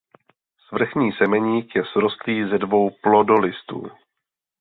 Svrchní semeník je srostlý ze dvou plodolistů.